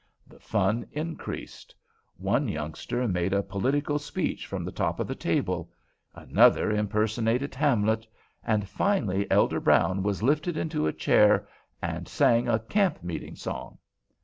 The fun increased. One youngster made a political speech from the top of the table; another impersonated Hamlet; and finally Elder Brown was lifted into a chair, and sang a camp meeting song.